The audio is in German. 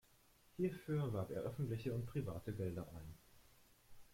Hierfür warb er öffentliche und private Gelder ein.